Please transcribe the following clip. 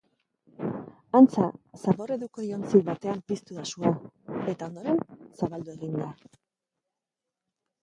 Antza, zabor-edukiontzi batean piztu da sua eta ondoren zabaldu egin da.